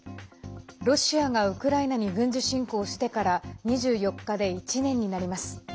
ロシアがウクライナに軍事侵攻してから２４日で１年になります。